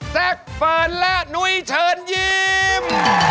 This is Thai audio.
เฟิร์นและนุ้ยเชิญยิ้ม